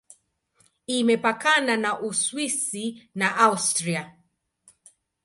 Imepakana na Uswisi na Austria.